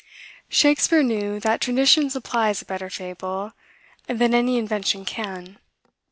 Shakspeare knew that tradition supplies a better fable that any invention can.